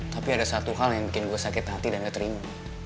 tapi ada satu hal yang bikin gue sakit hati dan gak terima